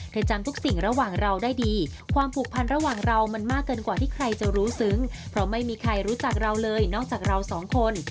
จำทุกสิ่งระหว่างเราได้ดีความผูกพันระหว่างเรามันมากเกินกว่าที่ใครจะรู้ซึ้งเพราะไม่มีใครรู้จักเราเลยนอกจากเราสองคน